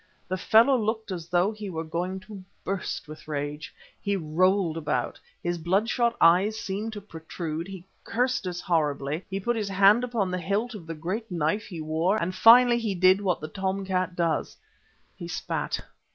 The fellow looked as though he were going to burst with rage. He rolled about, his bloodshot eyes seemed to protrude, he cursed us horribly, he put his hand upon the hilt of the great knife he wore, and finally he did what the tom cat does, he spat.